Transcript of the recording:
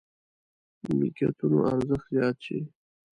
ملکيتونو ارزښت زيات شي.